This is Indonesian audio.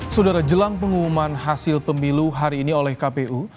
saudara jelang pengumuman hasil pemilu hari ini oleh kpu